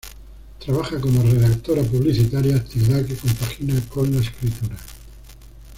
Trabaja como redactora publicitaria, actividad que compagina con la escritura.